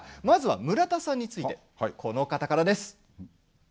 まずは村田さんについてこの方からです。